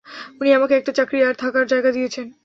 উনি আমাকে একটা চাকরি আর থাকার জায়গা দিয়েছেন।